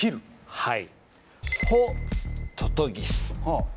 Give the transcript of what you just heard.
はい。